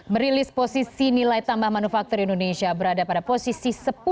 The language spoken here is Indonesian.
merilis posisi nilai tambah manufaktur indonesia berada pada posisi sepuluh